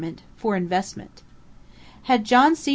_ For Investment Had John C.